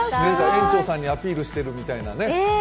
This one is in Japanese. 園長さんにアピールしてるみたいなね。